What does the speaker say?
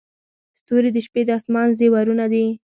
• ستوري د شپې د اسمان زیورونه دي.